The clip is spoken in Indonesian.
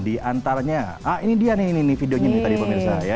di antaranya ah ini dia nih videonya tadi pemirsa ya